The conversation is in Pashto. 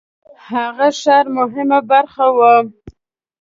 هغه ښار مهمه برخه وه.